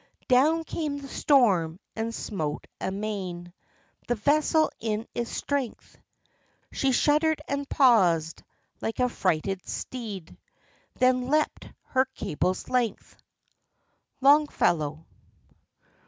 "Down came the storm and smote amain The vessel in its strength; She shuddered and paused, like a frighted steed, Then leaped her cable's length." —LONGFELLOW.